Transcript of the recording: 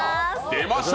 出ました！